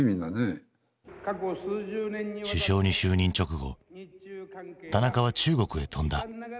首相に就任直後田中は中国へ飛んだ。